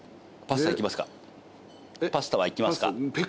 パスタはいきますか？